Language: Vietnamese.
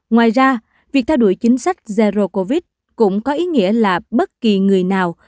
ngoài ra việc theo đuổi chính sách zero covid cũng có ý nghĩa là bất kỳ người nào